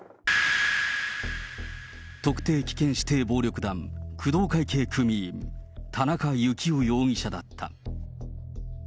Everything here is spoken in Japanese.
特定危険指定暴力団工藤会系組員、田中幸雄容疑者だった。